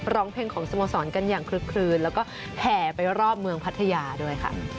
ร้องเพลงของสโมสรกันอย่างคลึกคลืนแล้วก็แห่ไปรอบเมืองพัทยาด้วยค่ะ